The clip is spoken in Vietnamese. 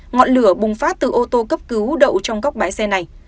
ngọn lửa bùng phát từ ô tô cấp cứu đậu trong góc bãi xe này